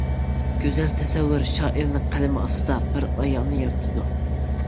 گۈزەل تەسەۋۋۇر شائىرنىڭ قەلىمى ئاستىدا بىر ئايالنى يارىتىدۇ.